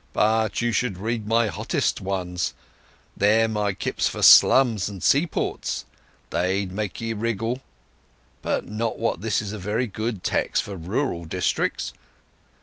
"But you should read my hottest ones—them I kips for slums and seaports. They'd make ye wriggle! Not but what this is a very good tex for rural districts....